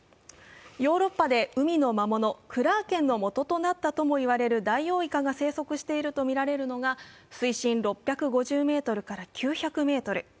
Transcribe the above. ヨーロッパで海の魔物・クラーケンのもととなったともいわれるダイオウイカが生息しているとみられるのが水深６５０ｍから９００ｍ。